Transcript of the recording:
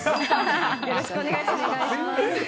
よろしくお願いします。